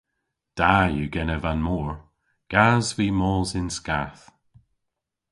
Da yw genev an mor. Gas vy mos yn skath.